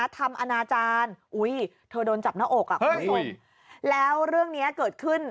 ทำอาณาจารย์โอ้ยเธอโดนจับหน้าอกแล้วเรื่องนี้เกิดขึ้น